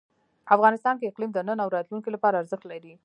افغانستان کې اقلیم د نن او راتلونکي لپاره ارزښت لري.